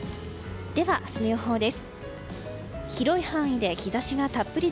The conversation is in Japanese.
では、明日の予報です。